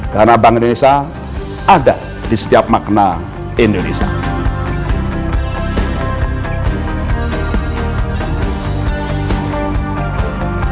karena bank indonesia ada di setiap makna indonesia